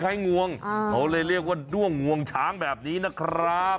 งวงเขาเลยเรียกว่าด้วงงวงช้างแบบนี้นะครับ